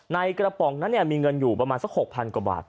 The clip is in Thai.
ในกระป๋องนั้นมีเงินอยู่ประมาณสัก๖๐๐กว่าบาท